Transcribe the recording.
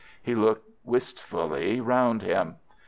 He looked wistfully round him.